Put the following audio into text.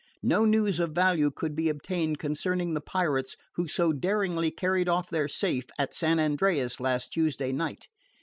No news of value could be obtained concerning the pirates who so daringly carried off their safe at San Andreas last Tuesday night.